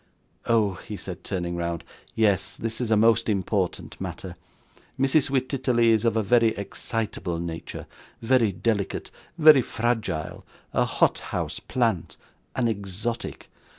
'Oh!' he said, turning round, 'yes. This is a most important matter. Mrs Wititterly is of a very excitable nature; very delicate, very fragile; a hothouse plant, an exotic.